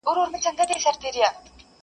یو لوی مرض دی لویه وبا ده؛